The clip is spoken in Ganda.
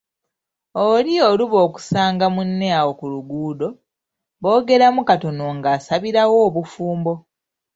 "Oli oluba okusanga munne awo mu luguudo, boogeramu katono nga asabirawo obufumbo."